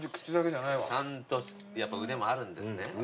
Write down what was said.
ちゃんとやっぱ腕もあるんですね。